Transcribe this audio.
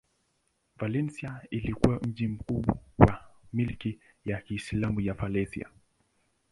Valencia ilikuwa mji mkuu wa milki ya Kiislamu ya Valencia.